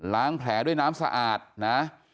แผลด้วยน้ำสะอาดนะ